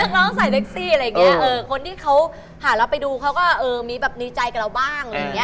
นักร้องใส่เซ็กซี่อะไรอย่างเงี้ยคนที่เขาหาเราไปดูเขาก็มีใจกับเราบ้าง